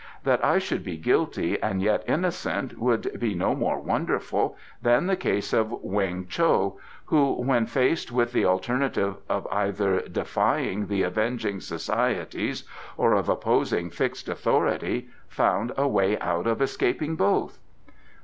"That I should be guilty and yet innocent would be no more wonderful than the case of Weng Cho, who, when faced with the alternative of either defying the Avenging Societies or of opposing fixed authority found a way out of escaping both."